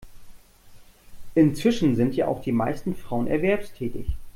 Inzwischen sind ja auch die meisten Frauen erwerbstätig.